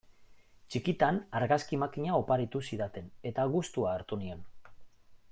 Txikitan argazki makina oparitu zidaten eta gustua hartu nion.